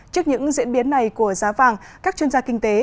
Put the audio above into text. trước những diễn biến này của giá vàng các chuyên gia kinh tế